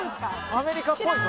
アメリカっぽいぞ。